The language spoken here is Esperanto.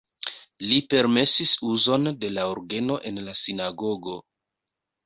Li permesis uzon de la orgeno en la sinagogo.